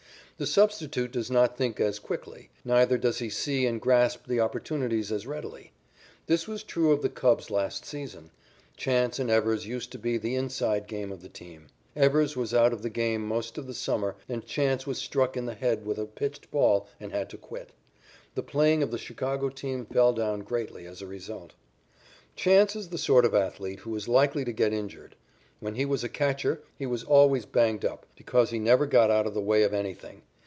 The substitute does not think as quickly; neither does he see and grasp the opportunities as readily. This was true of the Cubs last season. Chance and Evers used to be the "inside" game of the team. Evers was out of the game most of the summer and Chance was struck in the head with a pitched ball and had to quit. The playing of the Chicago team fell down greatly as a result. Chance is the sort of athlete who is likely to get injured. When he was a catcher he was always banged up because he never got out of the way of anything.